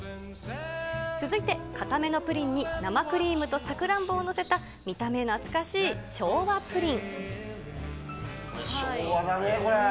続いて、硬めのプリンに生クリームとさくらんぼを載せた見た目懐かしい昭昭和だねー、これ。